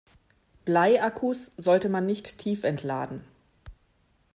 Bleiakkus sollte man nicht tiefentladen.